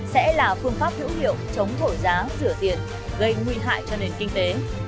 sẽ là phương pháp hiểu hiệu chống thổi giá rửa tiền gây nguy hại cho nền kinh tế